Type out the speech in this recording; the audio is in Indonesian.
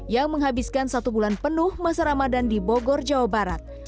yang menghabiskan satu bulan penuh masa ramadan di bogor jawa barat